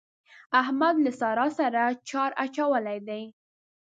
احمد له سارا سره چار اچولی دی.